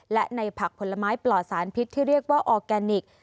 และในผักผลไม้ปลอดสารพิษที่เรียกว่าออร์แกนิค